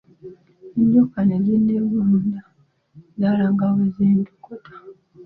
Enjoka ne zinneggunda, endala nga bwe zintokota!